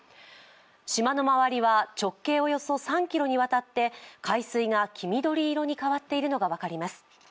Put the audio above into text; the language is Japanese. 島の周りは直径およそ３ｋｍにわたって海水が黄緑色に変わっているのが分かります。